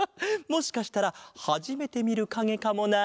もしかしたらはじめてみるかげかもな。